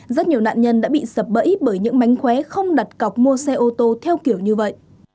rất nhiều nạn nhân đã bị sập bẫy bởi những mánh khóe không đặt cọc mua xe ô tô theo kiểu như vậy